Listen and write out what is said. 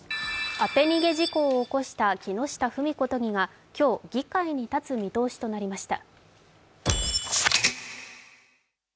当て逃げ事故を起こした木下富美子都議が今日、議会に立つ見通しとなりました。